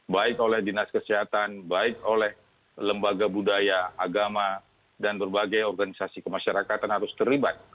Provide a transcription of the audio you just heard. baik oleh dinas kesehatan baik oleh lembaga budaya agama dan berbagai organisasi kemasyarakatan harus terlibat